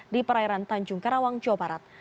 di perairan tanjung karawang jawa barat